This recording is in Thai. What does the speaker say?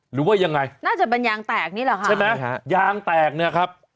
หรือว่ายังไงน่าจะเป็นยางแตกนี่เหรอคะใช่ไหมฮะยางแตกเนี่ยครับ